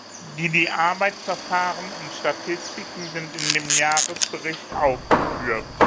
Die Die Arbeitsverfahren und Statistiken sind in dem Jahresbericht aufgeführt.